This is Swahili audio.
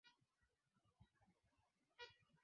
eneo hilo lina utajiri wa masalia ya zama za kale